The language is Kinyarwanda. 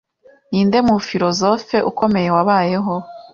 Ninde mufilozofe ukomeye wabayeho?